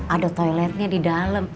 ada toiletnya di dalam